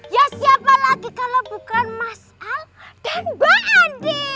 ya siapa lagi kalau bukan mas al dan bang andi